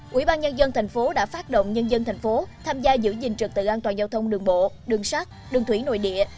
quỹ ban nhân dân tp hcm đã phát động nhân dân tp hcm tham gia giữ gìn trực tự an toàn giao thông đường bộ đường sát đường thủy nội địa